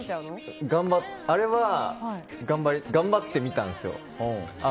あれは頑張ってみたんですよ。